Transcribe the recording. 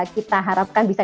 kita harapkan bisa